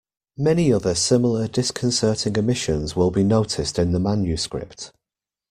Many other similar disconcerting omissions will be noticed in the Manuscript.